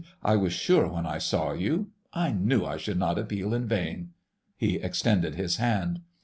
I was sure when I saw you—I knew I should not appeal in vain...." He extended his hand.